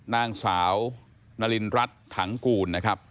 นางสาวนารินรัฐถังกูลนะครับ